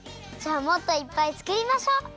じゃあもっといっぱいつくりましょう！